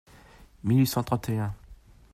mille huit cent trente et un.